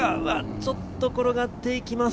ちょっと転がっていきます。